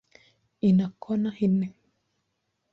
Ina kona nne.